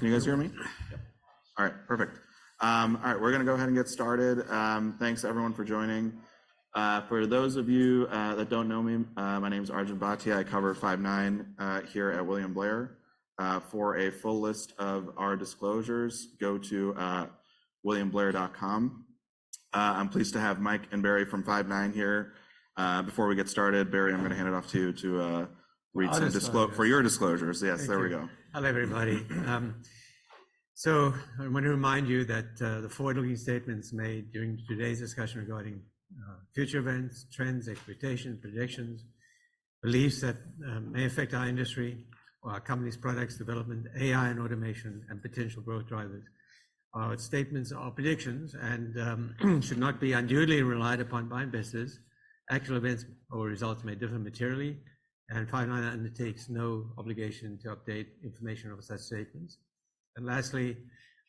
Can you guys hear me? All right, perfect. All right, we're gonna go ahead and get started. Thanks everyone for joining. For those of you that don't know me, my name is Arjun Bhatia. I cover Five9 here at William Blair. For a full list of our disclosures, go to williamblair.com. I'm pleased to have Mike and Barry from Five9 here. Before we get started, Barry, I'm gonna hand it off to you to read some disclo I'll disclose. For your disclosures. Yes, there we go. Thank you. Hello, everybody. So I want to remind you that the forward-looking statements made during today's discussion regarding future events, trends, expectations, predictions, beliefs that may affect our industry or our company's products development, AI and automation, and potential growth drivers, statements are predictions and should not be unduly relied upon by investors. Actual events or results may differ materially, and Five9 undertakes no obligation to update information of such statements. And lastly,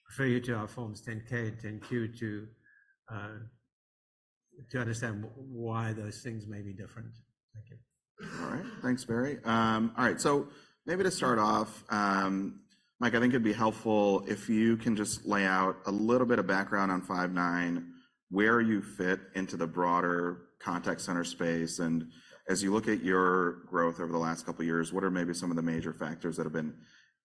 refer you to our Forms 10-K and 10-Q to understand why those things may be different. Thank you. All right. Thanks, Barry. All right, so maybe to start off, Mike, I think it'd be helpful if you can just lay out a little bit of background on Five9, where you fit into the broader contact center space, and as you look at your growth over the last couple of years, what are maybe some of the major factors that have been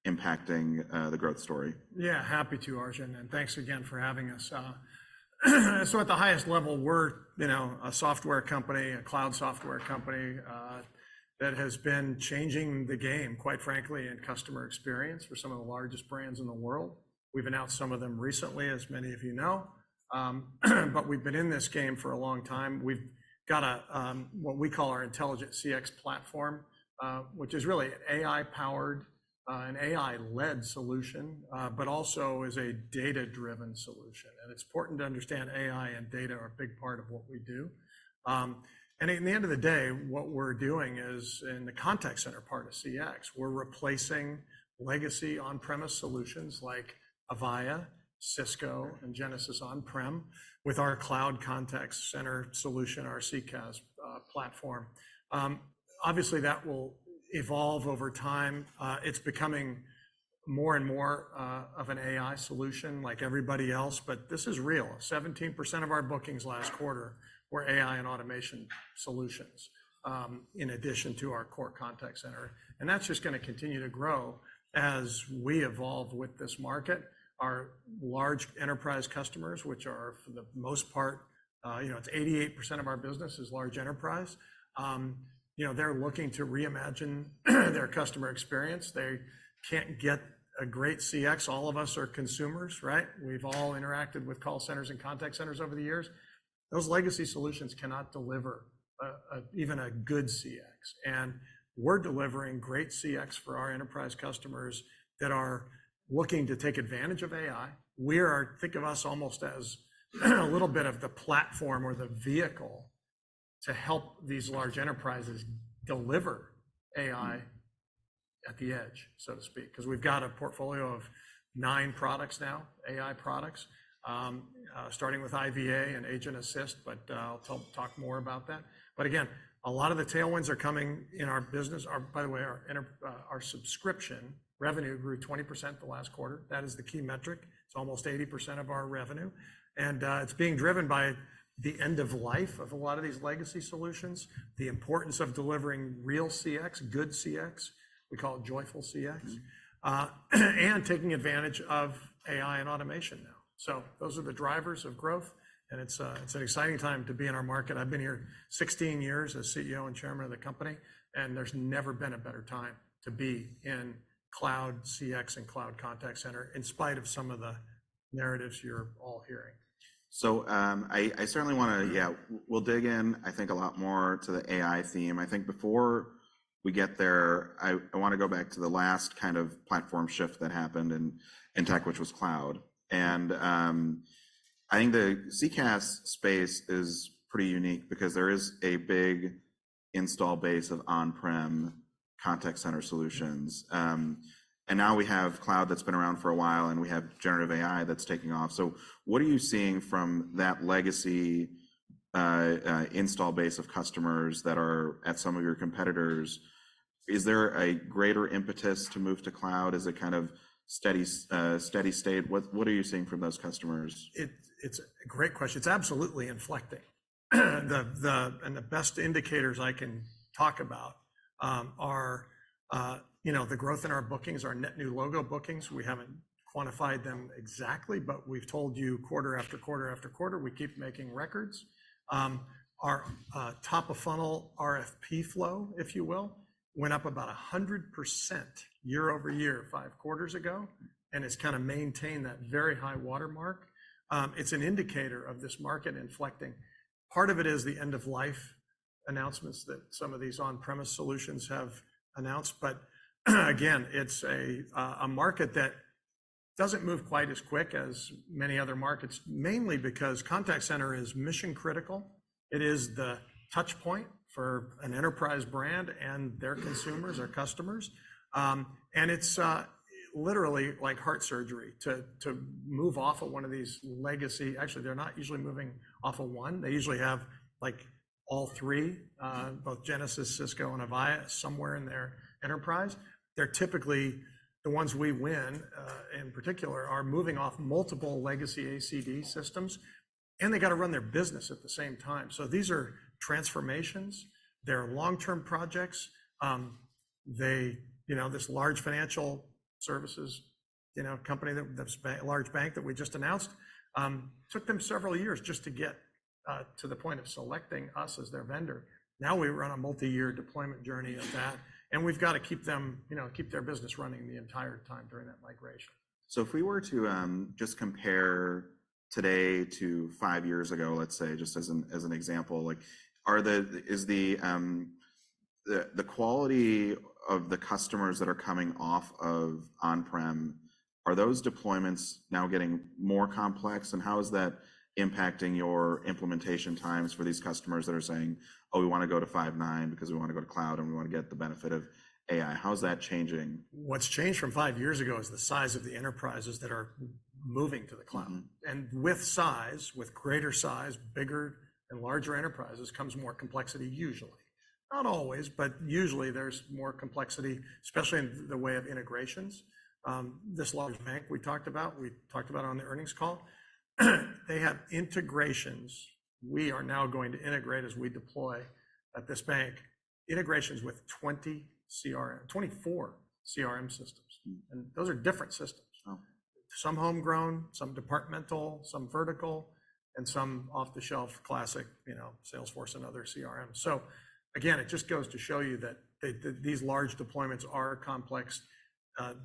impacting the growth story? Yeah, happy to, Arjun, and thanks again for having us. So at the highest level, we're, you know, a software company, a cloud software company, that has been changing the game, quite frankly, in customer experience for some of the largest brands in the world. We've announced some of them recently, as many of you know. But we've been in this game for a long time. We've got a, what we call our Intelligent CX platform, which is really an AI-powered, an AI-led solution, but also is a data-driven solution. It's important to understand AI and data are a big part of what we do. And at the end of the day, what we're doing is in the contact center part of CX, we're replacing legacy on-premise solutions like Avaya, Cisco, and Genesys on-prem, with our cloud contact center solution, our CCaaS platform. Obviously, that will evolve over time. It's becoming more and more of an AI solution like everybody else, but this is real. 17% of our bookings last quarter were AI and automation solutions, in addition to our core contact center. And that's just gonna continue to grow as we evolve with this market. Our large enterprise customers, which are for the most part, you know, it's 88% of our business is large enterprise, you know, they're looking to reimagine their customer experience. They can't get a great CX. All of us are consumers, right? We've all interacted with call centers and contact centers over the years. Those legacy solutions cannot deliver even a good CX, and we're delivering great CX for our enterprise customers that are looking to take advantage of AI. Think of us almost as a little bit of the platform or the vehicle to help these large enterprises deliver AI at the edge, so to speak, 'cause we've got a portfolio of nine products now, AI products, starting with IVA and Agent Assist, but I'll talk more about that. But again, a lot of the tailwinds are coming in our business. By the way, our subscription revenue grew 20% the last quarter. That is the key metric. It's almost 80% of our revenue, and it's being driven by the end of life of a lot of these legacy solutions, the importance of delivering real CX, good CX, we call it joyful CX Mm-hmm. and taking advantage of AI and automation now. So those are the drivers of growth, and it's an exciting time to be in our market. I've been here 16 years as CEO and chairman of the company, and there's never been a better time to be in cloud CX and cloud contact center, in spite of some of the narratives you're all hearing. So, I certainly wanna, yeah, we'll dig in, I think, a lot more to the AI theme. I think before we get there, I wanna go back to the last kind of platform shift that happened in, in tech, which was cloud. And, I think the CCaaS space is pretty unique because there is a big install base of on-prem contact center solutions. And now we have cloud that's been around for a while, and we have generative AI that's taking off. So what are you seeing from that legacy install base of customers that are at some of your competitors? Is there a greater impetus to move to cloud as a kind of steady state? What are you seeing from those customers? It's a great question. It's absolutely inflecting. The best indicators I can talk about are, you know, the growth in our bookings, our net new logo bookings. We haven't quantified them exactly, but we've told you quarter after quarter after quarter, we keep making records. Our top-of-funnel RFP flow, if you will, went up about 100% year-over-year five quarters ago, and it's kinda maintained that very high watermark. It's an indicator of this market inflecting. Part of it is the end-of-life announcements that some of these on-premise solutions have announced. Again, it's a market that doesn't move quite as quick as many other markets, mainly because contact center is mission-critical. It is the touchpoint for an enterprise brand and their consumers or customers. And it's literally like heart surgery to move off of one of these legacy. Actually, they're not usually moving off of one. They usually have, like all three, both Genesys, Cisco, and Avaya, somewhere in their enterprise. They're typically, the ones we win, in particular, are moving off multiple legacy ACD systems, and they gotta run their business at the same time. So these are transformations, they're long-term projects. They, you know, this large financial services, you know, company that's a large bank that we just announced, took them several years just to get to the point of selecting us as their vendor. Now, we run a multi-year deployment journey of that, and we've got to keep them, you know, keep their business running the entire time during that migration. So if we were to just compare today to five years ago, let's say, just as an example, like, is the quality of the customers that are coming off of on-prem, are those deployments now getting more complex? And how is that impacting your implementation times for these customers that are saying, "Oh, we wanna go to Five9 because we wanna go to cloud, and we wanna get the benefit of AI"? How is that changing? What's changed from five years ago is the size of the enterprises that are moving to the cloud. Mm-hmm. With size, with greater size, bigger and larger enterprises, comes more complexity usually. Not always, but usually there's more complexity, especially in the way of integrations. This large bank we talked about, we talked about on the earnings call, they have integrations. We are now going to integrate as we deploy at this bank, integrations with 20 CRM, 24 CRM systems. Mm. Those are different systems. Wow! Some homegrown, some departmental, some vertical, and some off-the-shelf classic, you know, Salesforce and other CRMs. So again, it just goes to show you that these large deployments are complex.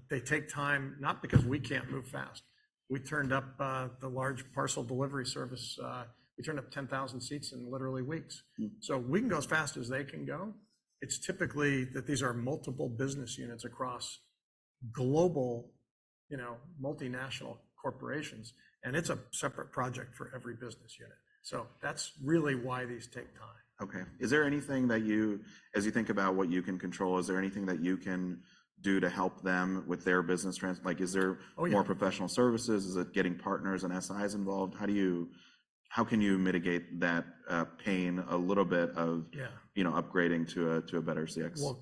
They take time, not because we can't move fast. We turned up the large parcel delivery service. We turned up 10,000 seats in literally weeks. Mm. We can go as fast as they can go. It's typically that these are multiple business units across global, you know, multinational corporations, and it's a separate project for every business unit. That's really why these take time. Okay. Is there anything that you, as you think about what you can control, is there anything that you can do to help them with their business trans-- Like, is there Oh, yeah. more professional services? Is it getting partners and SIs involved? How do you, how can you mitigate that pain a little bit of Yeah you know, upgrading to a, to a better CX? Well,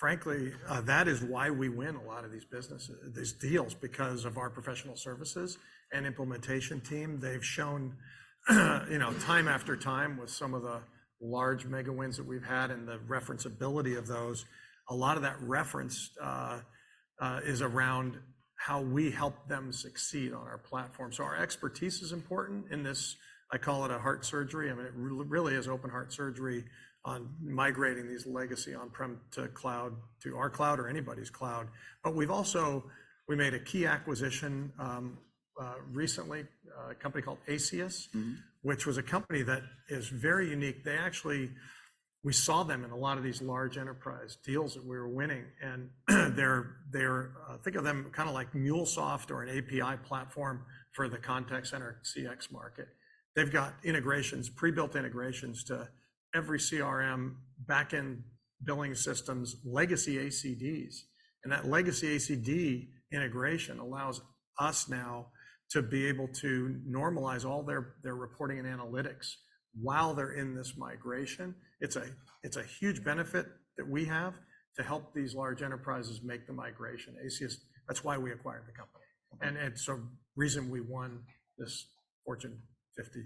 frankly, that is why we win a lot of these business, these deals, because of our professional services and implementation team. They've shown, you know, time after time with some of the large mega wins that we've had and the reference ability of those, a lot of that reference is around how we help them succeed on our platform. So our expertise is important in this, I call it a heart surgery. I mean, it really is open heart surgery on migrating these legacy on-prem to cloud, to our cloud or anybody's cloud. But we've also, we made a key acquisition recently, a company called Aceyus. Mm-hmm. Which was a company that is very unique. They actually. We saw them in a lot of these large enterprise deals that we were winning, and they're, they're, think of them kinda like MuleSoft or an API platform for the contact center CX market. They've got integrations, pre-built integrations to every CRM, back-end billing systems, legacy ACDs. And that legacy ACD integration allows us now to be able to normalize all their, their reporting and analytics while they're in this migration. It's a, it's a huge benefit that we have to help these large enterprises make the migration. Aceyus, that's why we acquired the company, and it's a reason we won this Fortune 50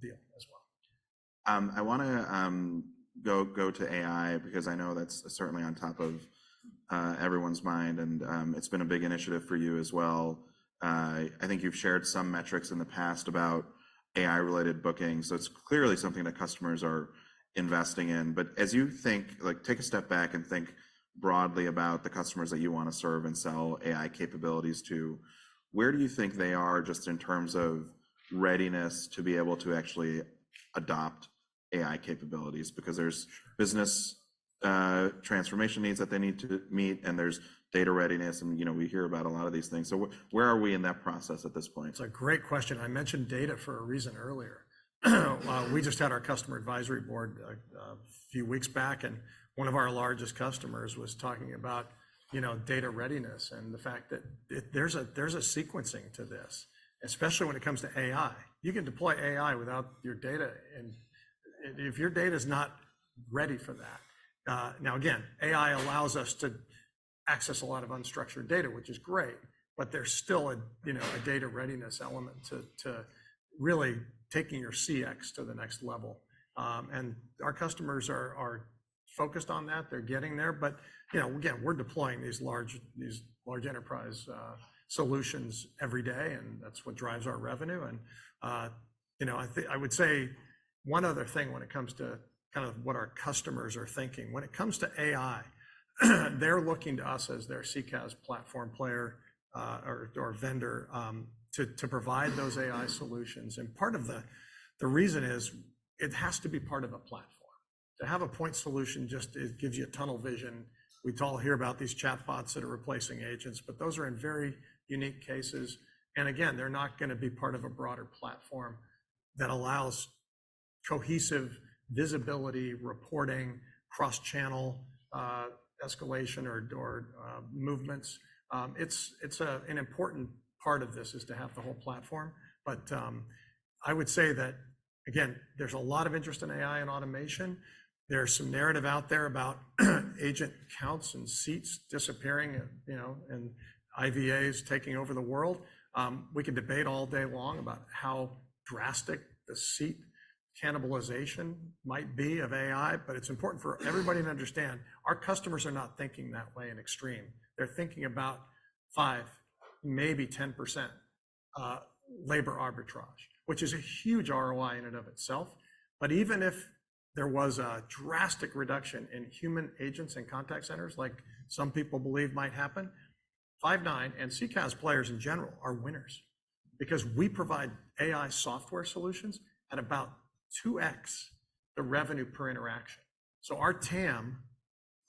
deal as well. I wanna go to AI because I know that's certainly on top of everyone's mind, and it's been a big initiative for you as well. I think you've shared some metrics in the past about AI-related bookings, so it's clearly something that customers are investing in. But as you think, like, take a step back and think broadly about the customers that you wanna serve and sell AI capabilities to, where do you think they are just in terms of readiness to be able to actually adopt AI capabilities? Because there's business transformation needs that they need to meet, and there's data readiness, and, you know, we hear about a lot of these things. So where are we in that process at this point? It's a great question. I mentioned data for a reason earlier. We just had our customer advisory board a few weeks back, and one of our largest customers was talking about, you know, data readiness and the fact that it. There's a sequencing to this, especially when it comes to AI. You can deploy AI without your data, and if your data is not ready for that. Now, again, AI allows us to access a lot of unstructured data, which is great, but there's still a, you know, a data readiness element to really taking your CX to the next level. And our customers are focused on that. They're getting there, but, you know, again, we're deploying these large enterprise solutions every day, and that's what drives our revenue. You know, I would say one other thing when it comes to kind of what our customers are thinking. When it comes to AI, they're looking to us as their CCaaS platform player, or vendor, to provide those AI solutions. Part of the reason is it has to be part of a platform. To have a point solution just it gives you a tunnel vision. We all hear about these chatbots that are replacing agents, but those are in very unique cases. Again, they're not gonna be part of a broader platform that allows cohesive visibility, reporting, cross-channel escalation or movements. It's an important part of this, is to have the whole platform. But I would say again, there's a lot of interest in AI and automation. There's some narrative out there about agent counts and seats disappearing and, you know, and IVAs taking over the world. We can debate all day long about how drastic the seat cannibalization might be of AI, but it's important for everybody to understand, our customers are not thinking that way in extreme. They're thinking about 5%, maybe 10% labor arbitrage, which is a huge ROI in and of itself. But even if there was a drastic reduction in human agents and contact centers, like some people believe might happen, Five9 and CCaaS players in general are winners because we provide AI software solutions at about 2x the revenue per interaction. So our TAM,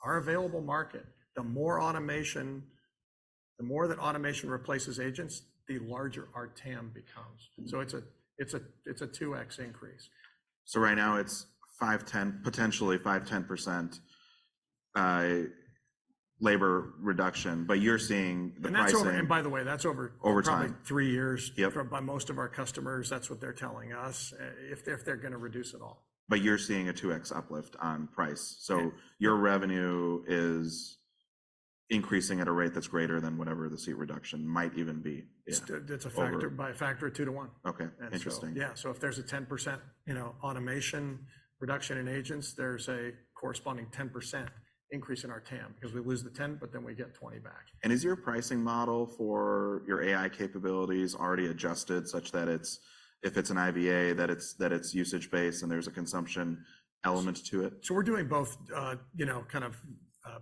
our available market, the more automation, the more that automation replaces agents, the larger our TAM becomes. So it's a 2x increase. Right now it's 5 to 10, potentially 5% to 10% labor reduction, but you're seeing the pricing- And that's over, and by the way, that's over- Over time probably three years. Yep. By most of our customers, that's what they're telling us, if they're gonna reduce at all. But you're seeing a 2x uplift on price. Yep. So your revenue is increasing at a rate that's greater than whatever the seat reduction might even be? Yeah, over- It's a factor by a factor of two to one. Okay, interesting. Yeah. So if there's a 10%, you know, automation reduction in agents, there's a corresponding 10% increase in our TAM because we lose the 10, but then we get 20 back. Is your pricing model for your AI capabilities already adjusted such that it's, if it's an IVA, that it's usage-based and there's a consumption element to it? So we're doing both, you know, kind of,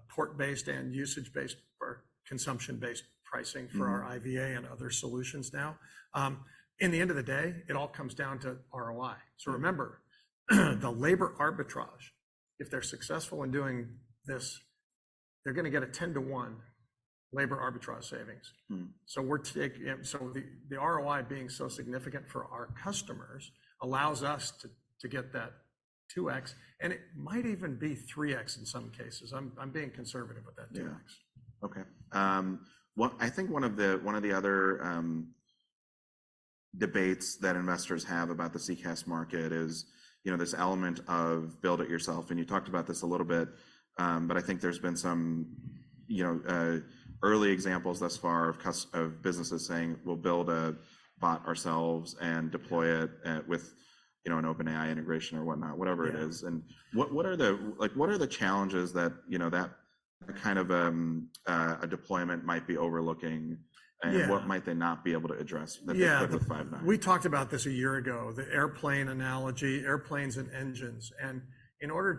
port-based and usage-based or consumption-based pricing- Mm for our IVA and other solutions now. In the end of the day, it all comes down to ROI. Sure. So remember, the labor arbitrage, if they're successful in doing this, they're gonna get a 10 to one labor arbitrage savings. Mm. So the ROI being so significant for our customers allows us to get that 2x, and it might even be 3x in some cases. I'm being conservative with that 2x. Yeah. Okay. I think one of the other debates that investors have about the CCaaS market is, you know, this element of build it yourself, and you talked about this a little bit. But I think there's been some, you know, early examples thus far of businesses saying, "We'll build a bot ourselves and deploy it, with, you know, an OpenAI integration or whatnot," whatever it is. Yeah. And what, what are the like, what are the challenges that, you know, that kind of, a deployment might be overlooking? Yeah. What might they not be able to address- Yeah that they could with Five9? We talked about this a year ago, the airplane analogy, airplanes and engines. And in order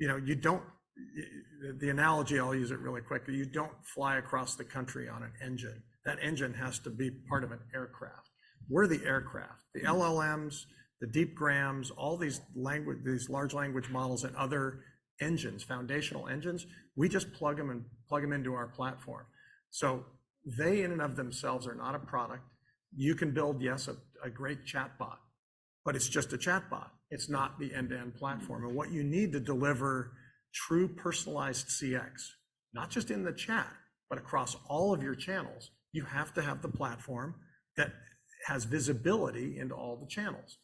to, you know, you don't. The analogy, I'll use it really quickly, you don't fly across the country on an engine. That engine has to be part of an aircraft. We're the aircraft. The LLMs, the Deepgram, all these language, these large language models and other engines, foundational engines, we just plug them in, plug them into our platform. So they in and of themselves are not a product. You can build, yes, a great chatbot, but it's just a chatbot. It's not the end-to-end platform. Mm. And what you need to deliver true personalized CX, not just in the chat, but across all of your channels, you have to have the platform that has visibility into all the channels,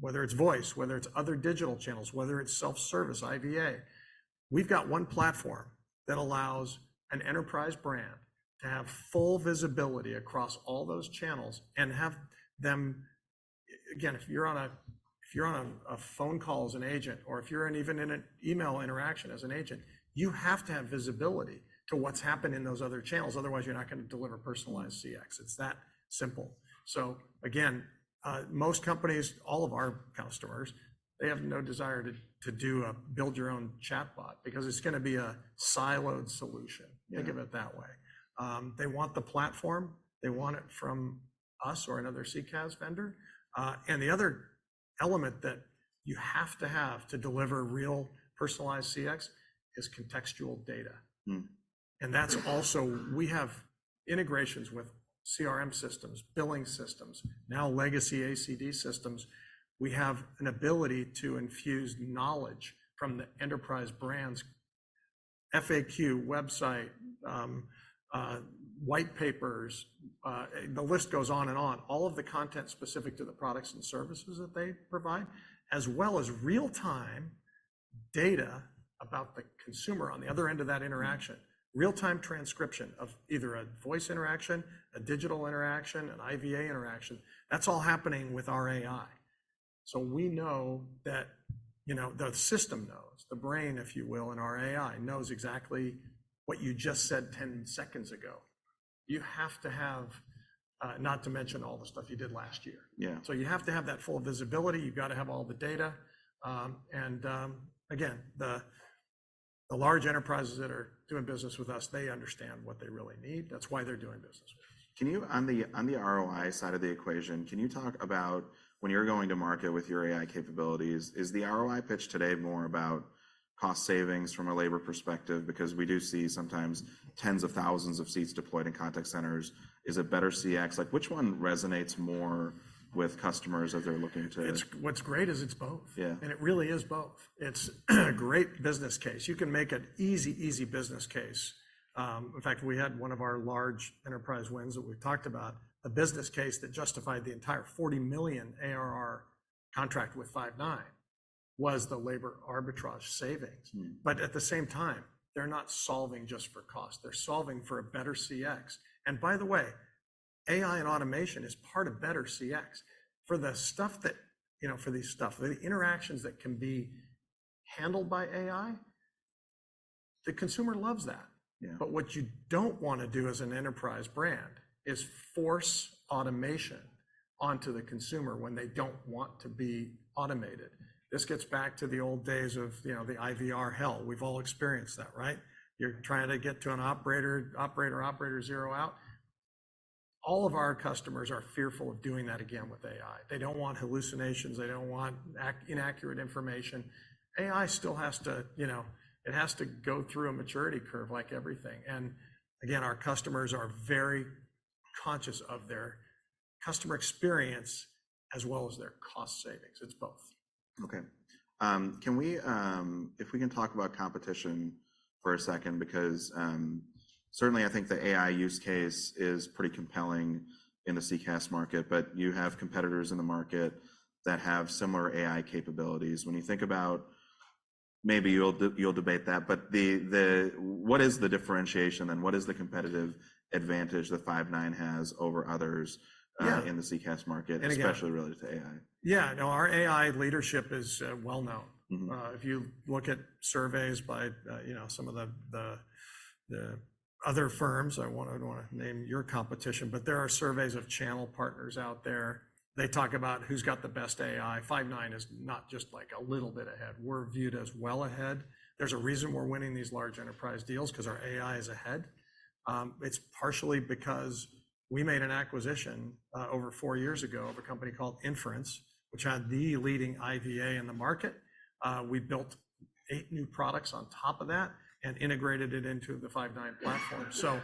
whether it's voice, whether it's other digital channels, whether it's self-service, IVA. We've got one platform that allows an enterprise brand to have full visibility across all those channels and have them. Again, if you're on a phone call as an agent, or if you're even in an email interaction as an agent, you have to have visibility to what's happening in those other channels, otherwise you're not gonna deliver personalized CX. It's that simple. So again, most companies, all of our customers, they have no desire to do a build your own chatbot because it's gonna be a siloed solution. Yeah. I'll give it that way. They want the platform, they want it from us or another CCaaS vendor. The other element that you have to have to deliver real personalized CX is contextual data. Mm. That's also, we have integrations with CRM systems, billing systems, now legacy ACD systems. We have an ability to infuse knowledge from the enterprise brand's FAQ website, white papers, the list goes on and on, all of the content specific to the products and services that they provide, as well as real-time data about the consumer on the other end of that interaction, real-time transcription of either a voice interaction, a digital interaction, an IVA interaction. That's all happening with our AI. We know that, you know, the system knows, the brain, if you will, in our AI, knows exactly what you just said 10 seconds ago. You have to have, not to mention all the stuff you did last year. Yeah. So you have to have that full visibility. You've got to have all the data. And, again, the large enterprises that are doing business with us, they understand what they really need. That's why they're doing business with us. Can you, on the, on the ROI side of the equation, can you talk about when you're going to market with your AI capabilities, is the ROI pitch today more about cost savings from a labor perspective? Because we do see sometimes tens of thousands of seats deployed in contact centers. Is it better CX? Like, which one resonates more with customers as they're looking to- It's what's great is it's both. Yeah. It really is both. It's a great business case. You can make an easy, easy business case. In fact, we had one of our large enterprise wins that we talked about, a business case that justified the entire $40 million ARR contract with Five9 was the labor arbitrage savings. Mm-hmm. But at the same time, they're not solving just for cost, they're solving for a better CX. And by the way, AI and automation is part of better CX. For the stuff that, you know, for this stuff, the interactions that can be handled by AI, the consumer loves that. Yeah. But what you don't want to do as an enterprise brand is force automation onto the consumer when they don't want to be automated. This gets back to the old days of, you know, the IVR hell. We've all experienced that, right? You're trying to get to an operator, operator, operator, zero out. All of our customers are fearful of doing that again with AI. They don't want hallucinations, they don't want inaccurate information. AI still has to, you know, it has to go through a maturity curve like everything. And again, our customers are very conscious of their customer experience as well as their cost savings. It's both. Okay. Can we, if we can talk about competition for a second, because certainly I think the AI use case is pretty compelling in the CCaaS market, but you have competitors in the market that have similar AI capabilities. When you think about... Maybe you'll debate that, but what is the differentiation and what is the competitive advantage that Five9 has over others- Yeah in the CCaaS market And again, especially related to AI? Yeah, no, our AI leadership is, well known. Mm-hmm. If you look at surveys by, you know, some of the other firms, I don't wanna name your competition, but there are surveys of channel partners out there. They talk about who's got the best AI. Five9 is not just, like, a little bit ahead. We're viewed as well ahead. There's a reason we're winning these large enterprise deals, 'cause our AI is ahead. It's partially because we made an acquisition over four years ago of a company called Inference, which had the leading IVA in the market. We built eight new products on top of that and integrated it into the Five9 platform. So,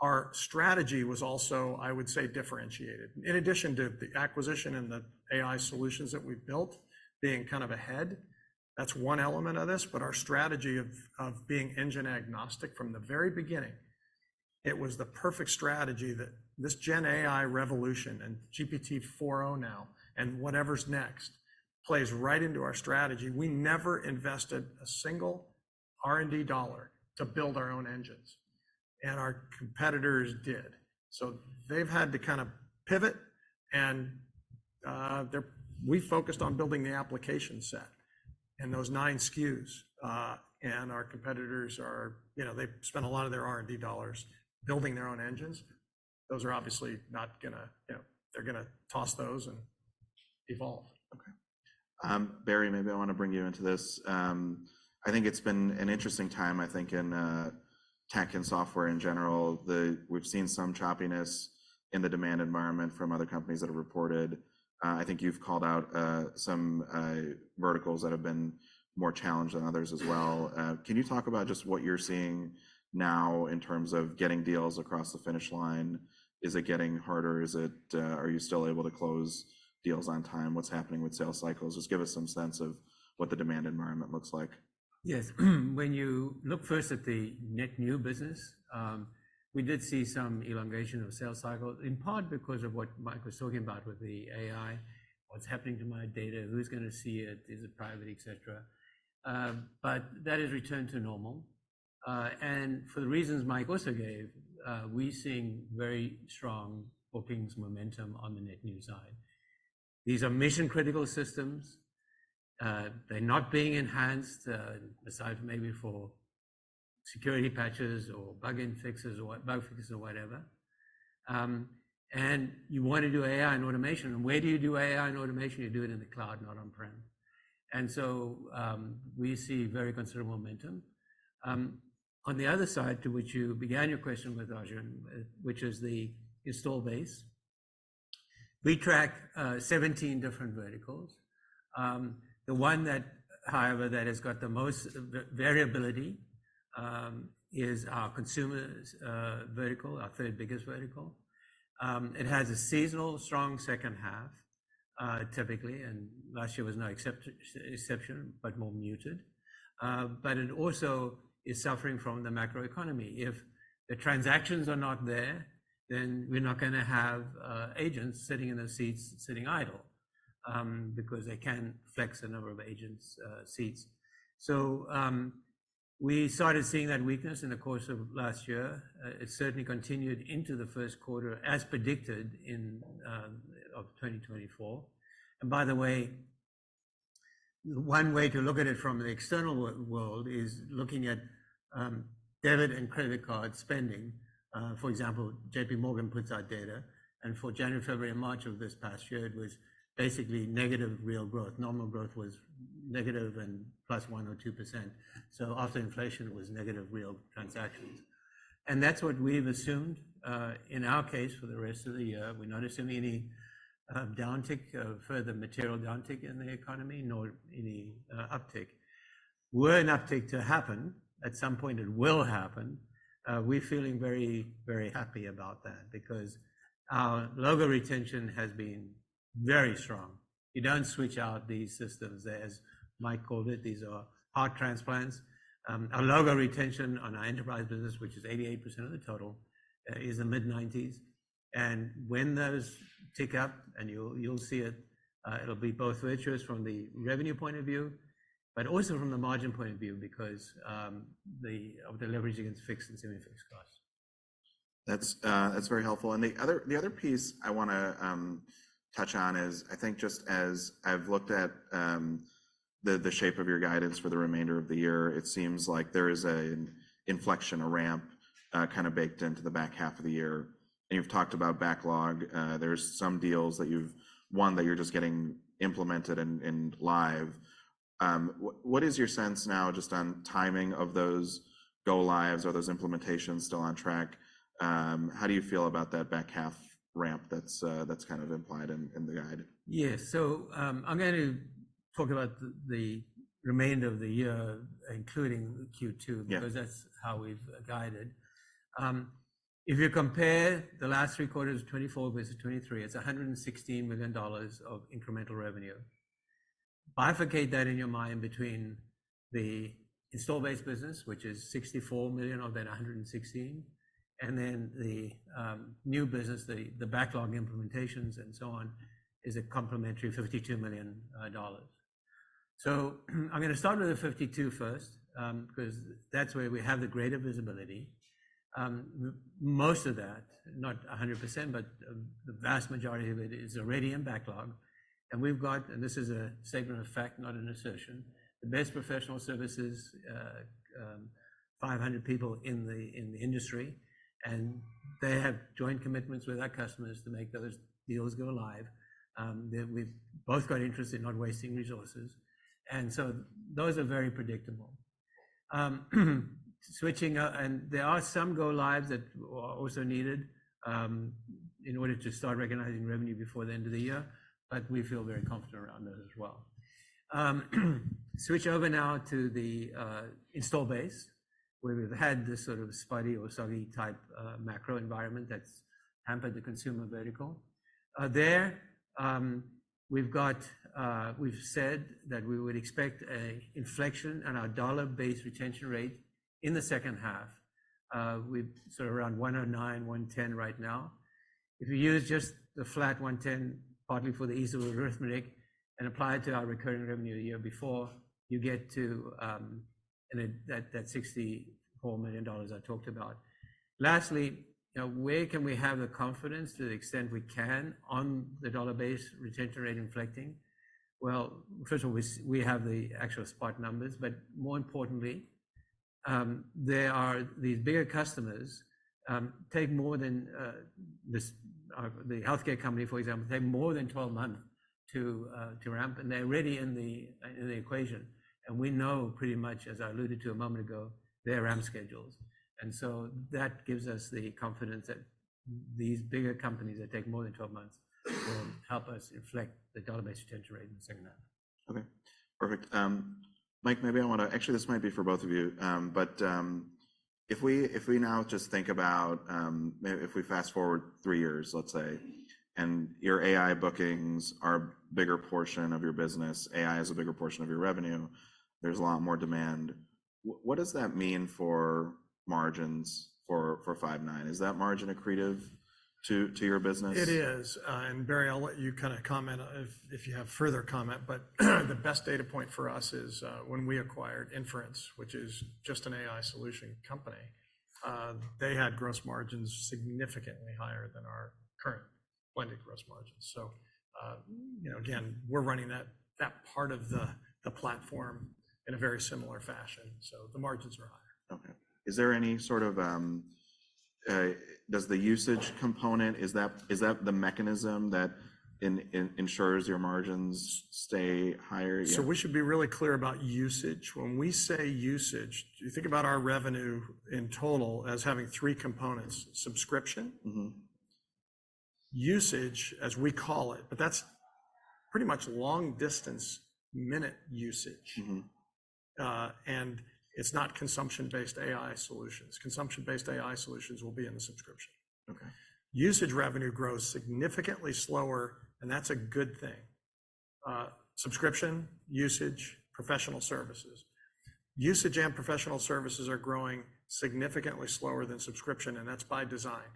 our strategy was also, I would say, differentiated. In addition to the acquisition and the AI solutions that we've built being kind of ahead, that's one element of this, but our strategy of being engine-agnostic from the very beginning, it was the perfect strategy that this Gen AI revolution and GPT-4o now, and whatever's next, plays right into our strategy. We never invested a single R&D dollar to build our own engines, and our competitors did. So they've had to kind of pivot, and we focused on building the application set and those nine SKUs. And our competitors are, you know, they've spent a lot of their R&D dollars building their own engines. Those are obviously not gonna, you know... They're gonna toss those and evolve. Okay. Barry, maybe I wanna bring you into this. I think it's been an interesting time, I think, in tech and software in general. We've seen some choppiness in the demand environment from other companies that have reported. I think you've called out some verticals that have been more challenged than others as well. Can you talk about just what you're seeing now in terms of getting deals across the finish line? Is it getting harder? Is it... Are you still able to close deals on time? What's happening with sales cycles? Just give us some sense of what the demand environment looks like. Yes. When you look first at the net new business, we did see some elongation of sales cycle, in part because of what Mike was talking about with the AI: What's happening to my data? Who's gonna see it? Is it private, et cetera. But that has returned to normal. And for the reasons Mike also gave, we're seeing very strong bookings momentum on the net new side. These are mission-critical systems. They're not being enhanced, aside from maybe for security patches or bug fixes or whatever. And you want to do AI and automation, and where do you do AI and automation? You do it in the cloud, not on-prem. And so, we see very considerable momentum. On the other side, to which you began your question with, Arjun, which is the install base, we track 17 different verticals. The one that, however, that has got the most variability is our consumers vertical, our third biggest vertical. It has a seasonal strong second half, typically, and last year was no exception, but more muted. But it also is suffering from the macroeconomy. If the transactions are not there, then we're not gonna have agents sitting in their seats, sitting idle, because they can flex the number of agents' seats. So, we started seeing that weakness in the course of last year. It certainly continued into the Q1, as predicted, of 2024. By the way, one way to look at it from the external world is looking at debit and credit card spending. For example, JP Morgan puts out data, and for January, February, and March of this past year, it was basically negative real growth. Normal growth was negative and plus 1% or 2%, so after inflation, it was negative real transactions. And that's what we've assumed in our case for the rest of the year. We're not assuming any downtick, further material downtick in the economy, nor any uptick. Were an uptick to happen, at some point it will happen, we're feeling very, very happy about that because our logo retention has been very strong. You don't switch out these systems. Mike called it, these are heart transplants. Our gross retention on our enterprise business, which is 88% of the total, is the mid-90s. And when those tick up, and you'll, you'll see it, it'll be both virtuous from the revenue point of view, but also from the margin point of view, because of the leverage against fixed and semi-fixed costs. That's, that's very helpful. And the other piece I wanna touch on is, I think just as I've looked at the shape of your guidance for the remainder of the year, it seems like there is an inflection, a ramp, kinda baked into the back half of the year. And you've talked about backlog. There's some deals that you've won, that you're just getting implemented and live. What is your sense now, just on timing of those go lives or those implementations still on track? How do you feel about that back half ramp that's kind of implied in the guide? Yeah. So, I'm gonna talk about the remainder of the year, including Q2. Yeabecause that's how we've guided. If you compare the last three quarters, 2024 versus 2023, it's $116 million of incremental revenue. Bifurcate that in your mind between the installed base business, which is $64 million of that $116, and then the new business, the backlog implementations and so on, is a complementary $52 million. So I'm gonna start with the 52 first, 'cause that's where we have the greater visibility. Most of that, not 100%, but the vast majority of it is already in backlog, and we've got and this is a statement of fact, not an assertion, the best professional services, 500 people in the industry, and they have joint commitments with our customers to make those deals go live. They've both got interest in not wasting resources, and so those are very predictable. Switching up, and there are some go lives that are also needed in order to start recognizing revenue before the end of the year, but we feel very confident around those as well. Switch over now to the install base, where we've had this sort of spiky or soggy type macro environment that's hampered the consumer vertical. There, we've said that we would expect an inflection on our dollar base retention rate in the second half. We're sort of around 109, 110 right now. If you use just the flat 110, partly for the ease of arithmetic, and apply it to our recurring revenue the year before, you get to, $64 million I talked about. Lastly, now, where can we have the confidence to the extent we can on the dollar-based retention rate increasing? Well, first of all, we have the actual spot numbers, but more importantly, there are these bigger customers, take more than this, the healthcare company, for example, take more than 12 months to ramp, and they're already in the equation. And we know pretty much, as I alluded to a moment ago, their ramp schedules. And so that gives us the confidence that these bigger companies that take more than 12 months will help us inflect the dollar-based retention rate in the second half. Okay, perfect. Mike, maybe I wanna... Actually, this might be for both of you. But, if we now just think about, maybe if we fast forward three years, let's say, and your AI bookings are a bigger portion of your business, AI is a bigger portion of your revenue, there's a lot more demand. What does that mean for margins for Five9? Is that margin accretive to your business? It is. And Barry, I'll let you kinda comment if, if you have further comment, but, the best data point for us is, when we acquired Inference, which is just an AI solution company, they had gross margins significantly higher than our current blended gross margins. So, you know, again, we're running that, that part of the, the platform in a very similar fashion, so the margins are higher. Okay. Is there any sort of, does the usage component, is that, is that the mechanism that ensures your margins stay higher? Yeah. So we should be really clear about usage. When we say usage, you think about our revenue in total as having three components: subscription- Mm-hmm usage, as we call it, but that's pretty much long-distance minute usage. Mm-hmm. It's not consumption-based AI solutions. Consumption-based AI solutions will be in the subscription. Okay. Usage revenue grows significantly slower, and that's a good thing. Subscription, usage, professional services. Usage and professional services are growing significantly slower than subscription, and that's by design.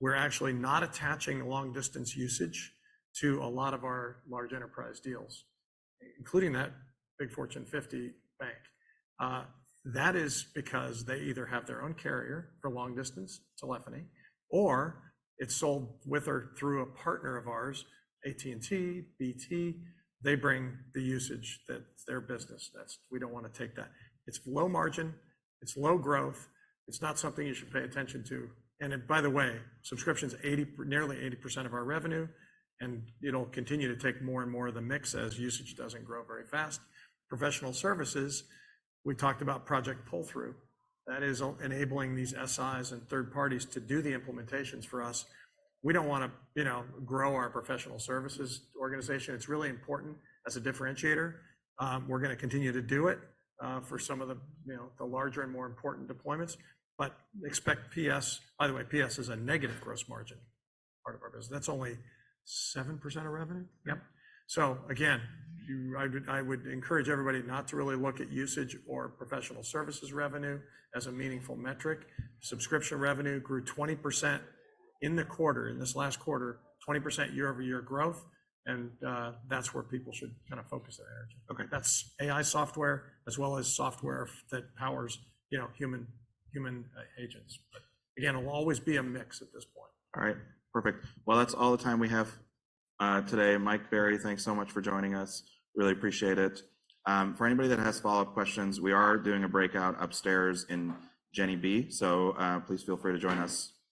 We're actually not attaching long-distance usage to a lot of our large enterprise deals, including that big Fortune 50 bank. That is because they either have their own carrier for long distance, telephony, or it's sold with or through a partner of ours, AT&T, BT. They bring the usage. That's their business. That's we don't wanna take that. It's low margin, it's low growth, it's not something you should pay attention to. And by the way, subscription's 80, nearly 80% of our revenue, and it'll continue to take more and more of the mix as usage doesn't grow very fast. Professional services, we talked about project pull-through. That is enabling these SIs and third parties to do the implementations for us. We don't wanna, you know, grow our professional services organization. It's really important as a differentiator. We're gonna continue to do it for some of the, you know, the larger and more important deployments, but expect PS. By the way, PS is a negative gross margin part of our business. That's only 7% of revenue? Yep. So again, I would encourage everybody not to really look at usage or professional services revenue as a meaningful metric. Subscription revenue grew 20% in the quarter, in this last quarter, 20% year-over-year growth, and that's where people should kinda focus their energy. Okay. That's AI software, as well as software that powers, you know, human agents. But again, it'll always be a mix at this point. All right. Perfect. Well, that's all the time we have today. Mike, Barry, thanks so much for joining us. Really appreciate it. For anybody that has follow-up questions, we are doing a breakout upstairs in Jenney B, so please feel free to join us.